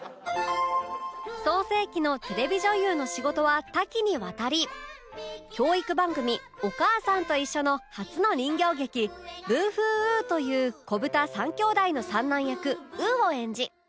創成期のテレビ女優の仕事は多岐にわたり教育番組『おかあさんといっしょ』の初の人形劇『ブーフーウー』という子ぶた３兄弟の三男役ウーを演じ